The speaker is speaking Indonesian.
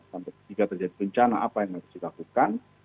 jika terjadi bencana apa yang harus dilakukan